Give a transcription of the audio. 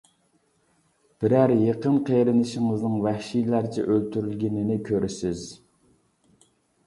بىرەر يېقىن قېرىندىشىڭىزنىڭ ۋەھشىيلەرچە ئۆلتۈرۈلگىنىنى كۆرىسىز.